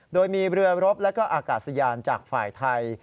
โดยมีเรือรบและก็อากาศยานจากฝ่ายไทย